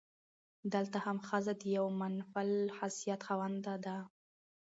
دلته هم ښځه د يوه منفعل حيثيت خاونده ده.